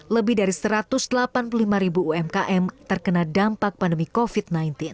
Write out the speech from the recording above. lebih dari satu ratus delapan puluh lima ribu umkm terkena dampak pandemi covid sembilan belas